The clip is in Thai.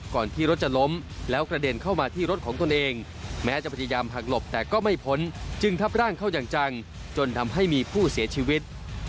ก่อนที่รถจะล้มแล้วกระเด็นเข้ามาที่รถของตนเองแม้จะพยายามหักหลบแต่ก็ไม่พ้นจึงทับร่างเข้าอย่างจังจนทำให้มีผู้เสียชีวิต